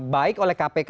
baik oleh kpk